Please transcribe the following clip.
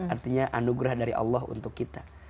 artinya anugerah dari allah untuk kita